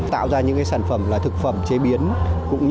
tạo ra những cái sản phẩm là thực phẩm chế biến